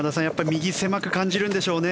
右狭く感じるんでしょうね。